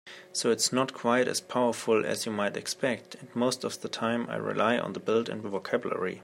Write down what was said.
So it's not quite as powerful as you might expect, and most of the time I rely on the built-in vocabulary.